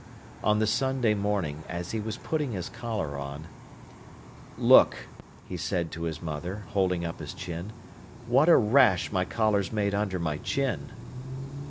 On the Sunday morning, as he was putting his collar on: "Look," he said to his mother, holding up his chin, "what a rash my collar's made under my chin!"